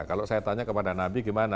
kalau saya tanya kepada nabi gimana